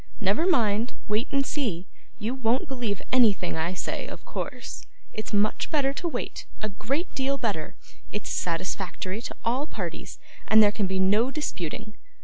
Never mind; wait and see. You won't believe anything I say, of course. It's much better to wait; a great deal better; it's satisfactory to all parties, and there can be no disputing.